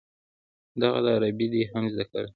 دغه ده عربي دې هم زده کړه.